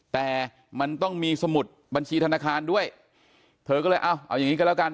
แต่มันต้องมีสมุดบัญชีธนาคารด้วยเธอก็เลยเอาเอาอย่างงี้ก็แล้วกัน